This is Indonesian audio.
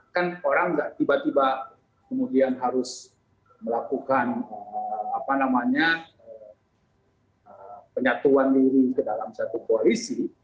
kan orang nggak tiba tiba kemudian harus melakukan penyatuan diri ke dalam satu koalisi